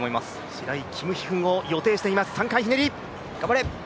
シライ／キムヒフンを予定しています、３回ひねり。